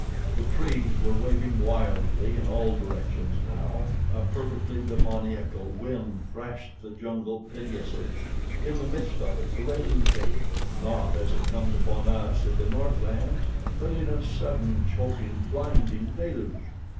The trees were waving wildly in all directions now, a perfectly demoniacal wind threshed the jungle pitilessly. In the midst of it the rain came not as it comes upon us of the northlands, but in a sudden, choking, blinding deluge.